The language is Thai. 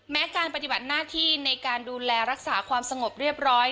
การปฏิบัติหน้าที่ในการดูแลรักษาความสงบเรียบร้อย